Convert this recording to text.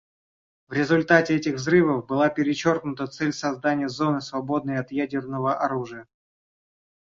В результате этих взрывов была перечеркнута цель создания зоны, свободной от ядерного оружия.